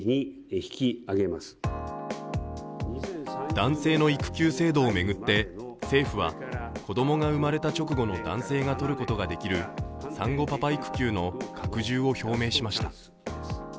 男性の育休制度を巡って政府は子供が生まれた直後の男性が取ることができる産後パパ育休の拡充を表明しました。